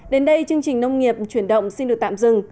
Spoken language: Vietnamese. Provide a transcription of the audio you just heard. đến đây chương trình nông nghiệp chuyển động xin được tạm dừng